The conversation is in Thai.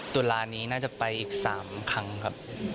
ตัวร้านนี้น่าจะไปอีกสามครั้งครับ